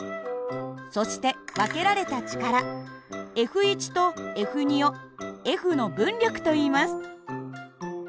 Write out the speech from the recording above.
そして分けられた力ＦとＦをＦの分力といいます。